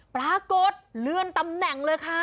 เลื่อนตำแหน่งเลยค่ะ